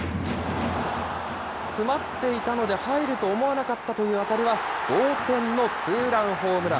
詰まっていたので入ると思わなかったという当たりは、同点のツーランホームラン。